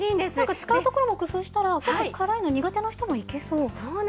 使いどころも工夫したら、結構辛いの苦手な人もいけそう。